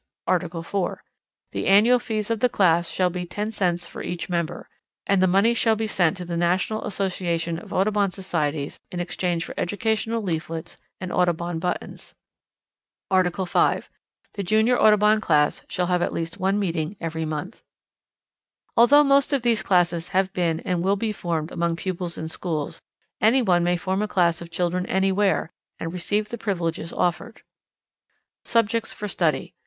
Article 4. The annual fees of the class shall be 10 cents for each member; and the money shall be sent to the National Association of Audubon Societies in exchange for Educational Leaflets and Audubon Buttons. Article 5. The Junior Audubon Class shall have at least one meeting every month. Although most of these classes have been and will be formed among pupils in schools, any one may form a class of children anywhere, and receive the privileges offered. _Subjects for Study.